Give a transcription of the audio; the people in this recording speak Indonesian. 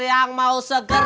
yang mau segar